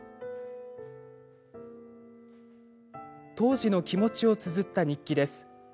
当時の気持ちをつづった日記です。